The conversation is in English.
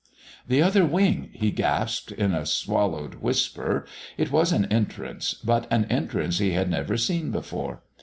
"The Other Wing!" he gasped in a swallowed whisper. It was an entrance, but an entrance he had never seen before.